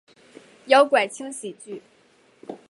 妖怪轻喜剧！